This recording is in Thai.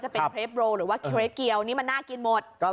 แต่ทุกคนจะเข้าใจว่าเป็นตัวเกียวแต่เป็นครีปที่ม้วนโรว์ค่ะ